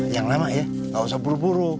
yang lama ya nggak usah buru buru